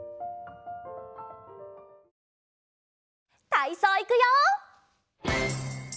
たいそういくよ！